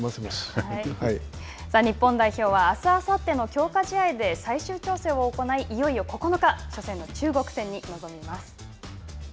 日本代表はあす、あさっての強化試合で最終調整を行い、いよいよ９日、初戦の中国戦に臨みます。